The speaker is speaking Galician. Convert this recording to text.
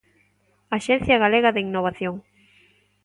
Axencia Galega de Innovación.